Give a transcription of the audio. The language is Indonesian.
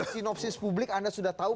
kinopsis publik anda sudah tahu